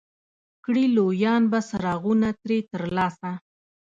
کړي لویان به څراغونه ترې ترلاسه